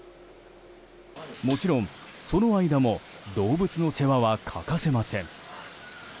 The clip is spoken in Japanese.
もちろん、その間も動物の世話は欠かせません。